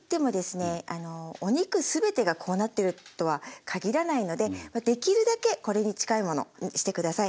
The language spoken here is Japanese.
お肉全てがこうなっているとは限らないのでできるだけこれに近いものにして下さい。